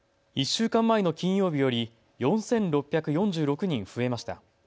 １週間前の金曜日より４６４６人増えました。